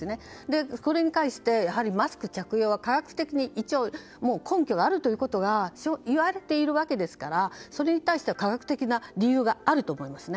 これに対してマスク着用は科学的に一応根拠があるということが言われているわけですからそれに対しては科学的な理由があると思いますね。